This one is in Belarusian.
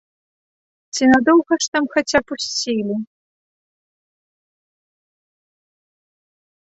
Ці надоўга ж, там, хаця пусцілі?